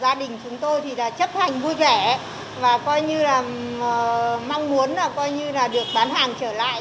gia đình chúng tôi thì là chấp hành vui vẻ và coi như là mong muốn là coi như là được bán hàng trở lại